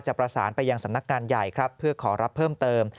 ประสานไปยังสำนักงานใหญ่ครับเพื่อขอรับเพิ่มเติม